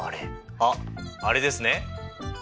あっあれですねベン図！